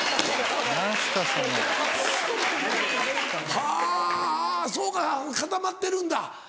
はぁそうか固まってるんだ。